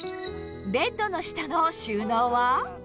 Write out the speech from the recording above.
ベッドの下の収納は。